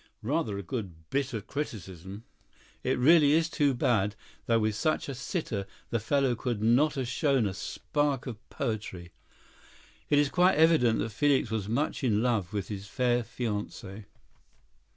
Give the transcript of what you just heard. (Rather a good bit of criticism.) "It really is too bad that with such a sitter the fellow could not have shown a spark of poetry." It is quite evident that Felix was much in love with his fair fiancée.